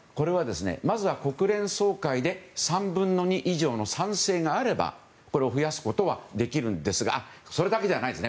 まずは国連総会で３分の２以上の賛成があればこれを増やすことはできるんですがそれだけじゃないですね。